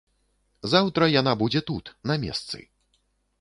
Заўтра яна будзе тут, на месцы.